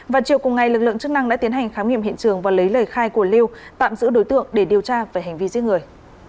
và chiều cùng ngày lực lượng chức năng đã tiến hành khám nghiệm hiện trường và lấy lời khai của lưu tạm giữ đối tượng để điều tra về hành vi giết người